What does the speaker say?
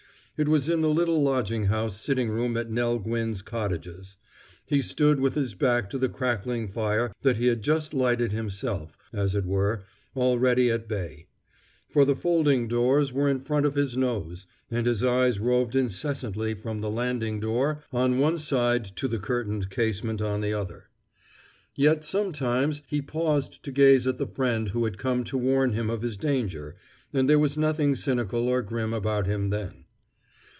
It was in the little lodging house sitting room at Nell Gwynne's Cottages; he stood with his back to the crackling fire that he had just lighted himself, as it were, already at bay; for the folding doors were in front of his nose, and his eyes roved incessantly from the landing door on one side to the curtained casement on the other. Yet sometimes he paused to gaze at the friend who had come to warn him of his danger; and there was nothing cynical or grim about him then.